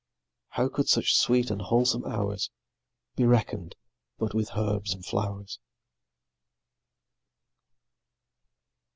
How could such sweet and wholesome hours Be reckon'd but with herbs and flow'rs!